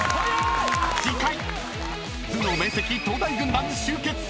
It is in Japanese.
［次回頭脳明晰東大軍団集結！］